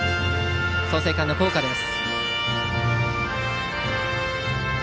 創成館の校歌です。